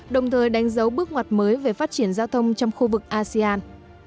đồng thời đánh dấu bước ngoặt mới về phát triển giao thông trong khu vực asean